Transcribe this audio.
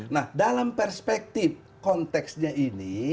nah dalam perspektif konteksnya ini